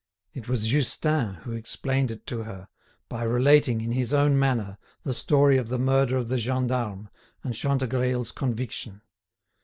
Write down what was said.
It was Justin who explained it to her by relating, in his own manner, the story of the murder of the gendarme, and Chantegreil's conviction.